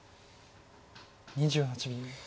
２８秒。